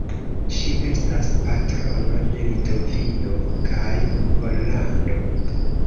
Ŝi estas patrono de Litovio kaj Pollando.